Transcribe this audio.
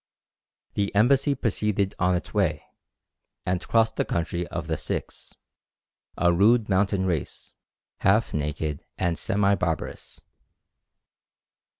The embassy proceeded on its way, and crossed the country of the Sikhs a rude mountain race, half naked and semi barbarous.